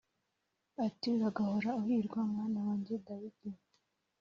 ati “uragahora uhirwa mwana wanjye dawidi